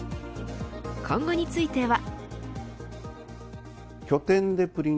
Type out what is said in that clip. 今後については。